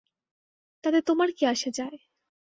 তাতে তোমার কী আসে যায়?